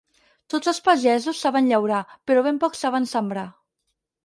Tots els pagesos saben llaurar, però ben pocs saben sembrar.